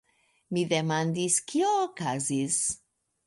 Mi demandis, kio okazis.